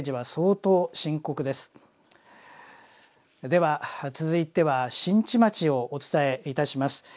では続いては新地町をお伝えいたします。